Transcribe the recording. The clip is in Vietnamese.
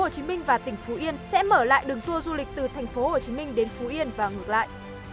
từ ngày một tháng một mươi một tp hcm và tỉnh phú yên sẽ mở lại đường tour du lịch từ tp hcm đến phú yên và ngược lại